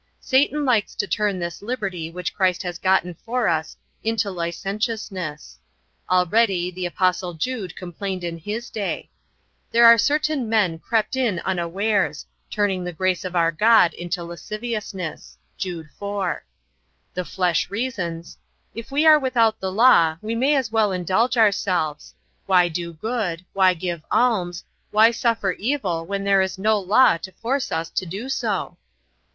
Satan likes to turn this liberty which Christ has gotten for us into licentiousness. Already the Apostle Jude complained in his day: "There are certain men crept in unawares...turning the grace of our God into lasciviousness." (Jude 4.) The flesh reasons: "If we are without the law, we may as well indulge ourselves. Why do good, why give alms, why suffer evil when there is no law to force us to do so?"